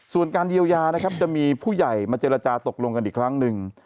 ส่วนการเยียวยานะครับจะมีผู้ใหญ่มาเจรจาตกลงกันอีกครั้งหนึ่ง